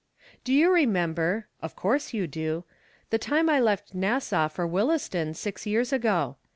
Do you remember (of course you do) the time I left Nassau for Williston, six years ago